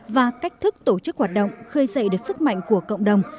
và cách thức tổ chức hoạt động khơi dậy được sức mạnh của cộng đồng